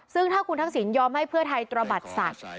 ซึ่งถ้าคุณทักษิณยอมให้เพื่อไทยตระบัดสัตว์